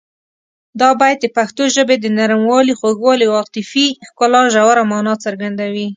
دا بیت د پښتو ژبې د نرموالي، خوږوالي او عاطفي ښکلا ژوره مانا څرګندوي.